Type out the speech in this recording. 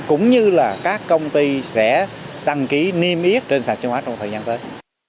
cũng như là các công ty sẽ đăng ký niêm yết trên sản chứng khoán trong thời gian tới